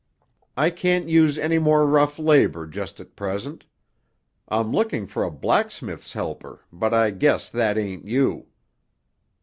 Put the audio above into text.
I can't use any more rough labour just at present. I'm looking for a blacksmith's helper, but I guess that ain't you."